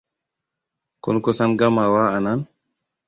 Kun kusan gamawa a nan?